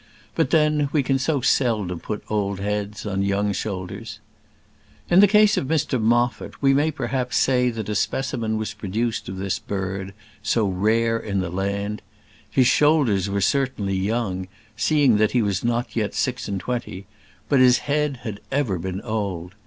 But then, we can so seldom put old heads on young shoulders! In the case of Mr Moffat, we may perhaps say that a specimen was produced of this bird, so rare in the land. His shoulders were certainly young, seeing that he was not yet six and twenty; but his head had ever been old.